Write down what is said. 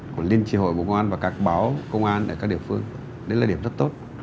của liên chỉ hội công an và các báo công an ở các địa phương đấy là điểm rất tốt